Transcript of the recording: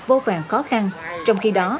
vô vàng khó khăn trong khi đó